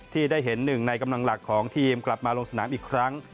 ที่ได้เห็นหนึ่งในกำลังหลักของทีมกลับมาลงสนามอีกครั้ง